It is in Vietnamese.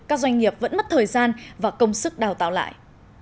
các doanh nghiệp vẫn mất thời gian và công sức đào tạo lại